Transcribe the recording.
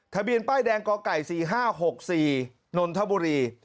ทะเบียนป้ายแดงกไก่๔๕๖๔นนทบุรี